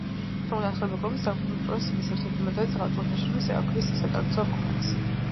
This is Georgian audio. სლავიანკის ახალი მიკრორაიონის დაგეგმარების დროს, მის ერთ-ერთ მოედანზე, გადაწყვიტეს აეშენებინათ ახალი ქვის სატაძრო კომპლექსი.